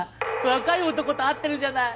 若い男と会ってるじゃない。